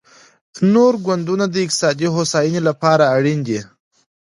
نور ګوندونه د اقتصادي هوساینې لپاره اړین دي